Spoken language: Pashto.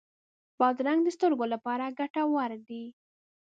بادرنګ د سترګو لپاره ګټور دی.